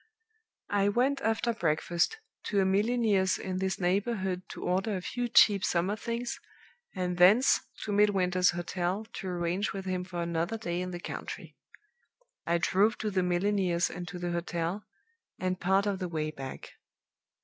"I went after breakfast to a milliner's in this neighborhood to order a few cheap summer things, and thence to Midwinter's hotel to arrange with him for another day in the country. I drove to the milliner's and to the hotel, and part of the way back.